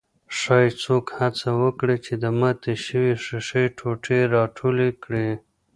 ښايي څوک هڅه وکړي چې د ماتې شوې ښيښې ټوټې راټولې کړي.